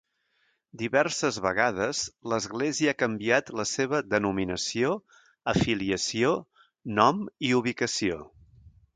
Diverses vegades l'església ha canviat la seva denominació, afiliació, nom i ubicació.